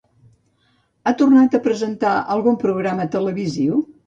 Ha tornat a presentar algun programa televisiu?